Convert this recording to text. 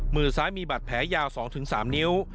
มือซ้ายมีบัตรแผลยาว๒๓นิ้ว